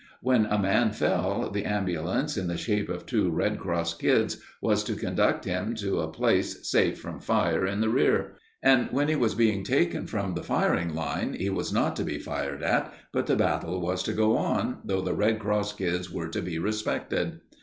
When a man fell, the ambulance, in the shape of two red cross kids, was to conduct him to a place safe from fire in the rear; and when he was being taken from the firing line, he was not to be fired at, but the battle was to go on, though the red cross kids were to be respected.